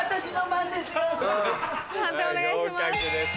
判定お願いします。